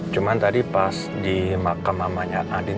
cuma tadi pas di makam mamanya adin